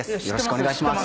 お願いします。